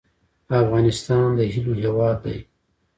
افغانستان د هیلو هیواد دی